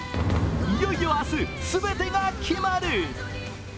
いよいよ明日、全てが決まる！